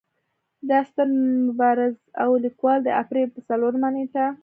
دا ستر مبارز او ليکوال د اپرېل پۀ څلورمه نېټه